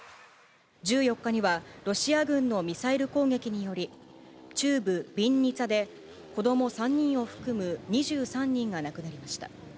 １４日にはロシア軍のミサイル攻撃により、中部ビンニツァで、子ども３人を含む２３人が亡くなりました。